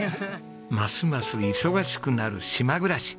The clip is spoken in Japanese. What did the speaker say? ますます忙しくなる島暮らし。